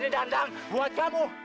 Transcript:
ini dandang buat kamu